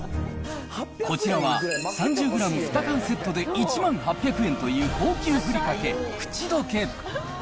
こちらは３０グラム２缶セットで１万８００円という高級ふりかけ、口どけ。